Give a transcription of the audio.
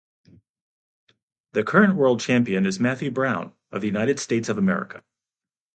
The current world champion is Mathew Brown of the United States of America.